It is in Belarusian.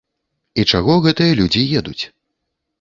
І чаго гэтыя людзі едуць?